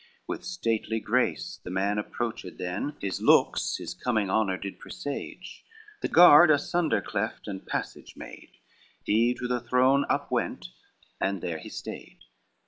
With stately grace the man approached then; His looks his coming honor did presage: The guard asunder cleft and passage made, He to the throne up went, and there he stayed.